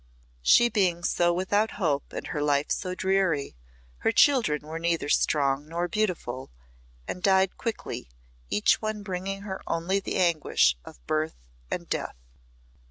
She being so without hope and her life so dreary, her children were neither strong nor beautiful, and died quickly, each one bringing her only the anguish of birth and death.